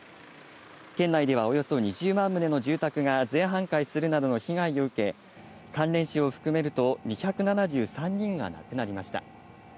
県内ではおよそ２０万棟の住宅が全半壊するなどの被害を受け、関連死を含めると２７３人が亡くなりました。